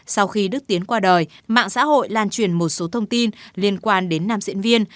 sau khi đức tiến qua đời mạng xã hội lan truyền một số thông tin liên quan đến nam diễn viên